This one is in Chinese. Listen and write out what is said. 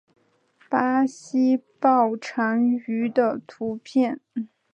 巴西豹蟾鱼的图片